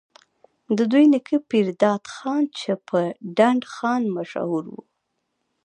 د دوي نيکه پيرداد خان چې پۀ ډنډ خان مشهور وو،